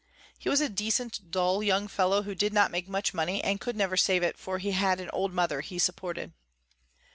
He was a decent, dull young fellow, who did not make much money and could never save it for he had an old mother he supported.